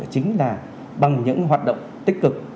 chính là bằng những hoạt động tích cực